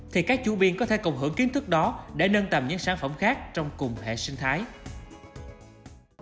thì các chủ biên có thể cộng hưởng kiến thức đó để nâng tầm những sản phẩm khác trong cùng hệ sinh thái